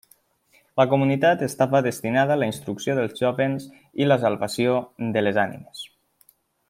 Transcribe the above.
La comunitat estava destinada a la instrucció dels joves i la salvació de les ànimes.